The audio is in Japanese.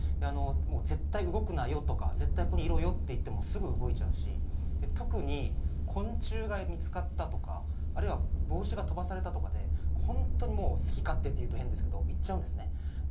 絶対動くなよとか言ってもすぐに動いちゃうし、特に昆虫が見つかったとか、あるいは帽子が飛ばされたとかで本当に好き勝手というと変ですけど行っちゃうんですね。